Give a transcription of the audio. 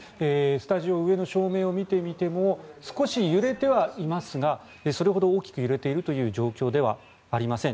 スタジオ、上の照明を見てみても少し揺れてはいますがそれほど大きく揺れているという状況ではありません。